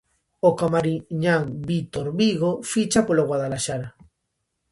O camariñán Vítor Vigo ficha polo Guadalajara.